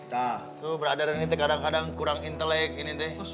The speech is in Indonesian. nah tuh brader ini kadang kadang kurang intelek ini tuh